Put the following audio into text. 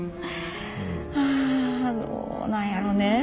ああどうなんやろねえ。